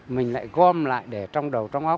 mình lại gom lại để trong đầu trong ốc